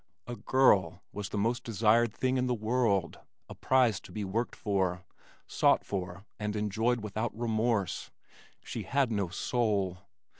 A "girl" was the most desired thing in the world, a prize to be worked for, sought for and enjoyed without remorse. She had no soul.